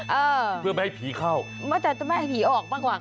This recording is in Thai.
เออเพื่อไม่ให้ผีเข้ามักจะไม่ให้ผีออกมากว่าค่ะ